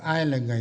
ai là người